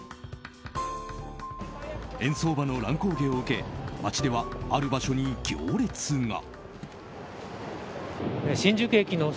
円相場の乱高下を受け街ではある場所に行列が。